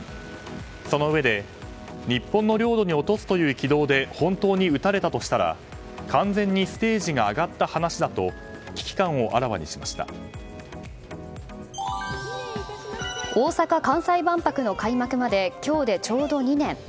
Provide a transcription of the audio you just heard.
そのうえで日本の領土に落とすという軌道で本当に撃たれたとしたら完全にステージが上がった話だと大阪・関西万博の開幕まで今日でちょうど２年。